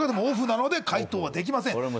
「オフなので回答はできません」